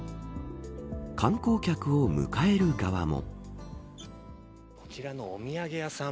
観光客を迎える側も。